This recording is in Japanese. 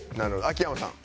秋山さん。